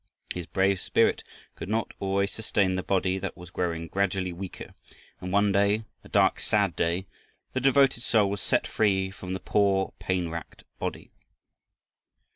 His brave spirit could not always sustain the body that was growing gradually weaker, and one day, a dark, sad day, the devoted soul was set free from the poor pain racked body.